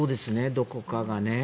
どこかがね。